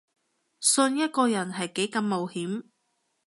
信一個人係幾咁冒險